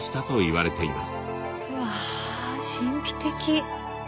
うわ神秘的！